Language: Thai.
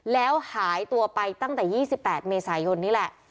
แล้วหายตัวไปตั้งแต่๒๘เมษายนนี่แหละ